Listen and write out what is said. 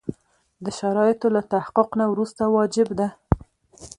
د شرایطو له تحقق نه وروسته واجب ده.